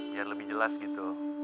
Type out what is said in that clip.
biar lebih jelas gitu